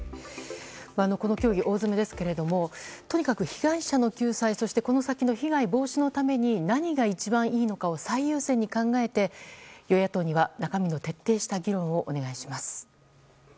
この協議、大詰めですけどとにかく被害者の救済そしてこの先の被害防止のために何が一番いいのかを最優先に考えて与野党には中身の徹底した議論をお願いします。